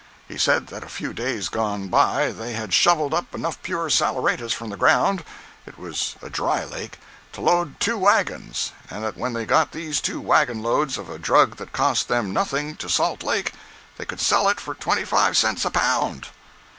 He said that a few days gone by they had shoveled up enough pure saleratus from the ground (it was a dry lake) to load two wagons, and that when they got these two wagons loads of a drug that cost them nothing, to Salt Lake, they could sell it for twenty five cents a pound.